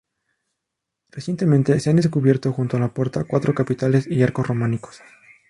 Recientemente se han descubierto junto a la puerta cuatro capiteles y arcos románicos.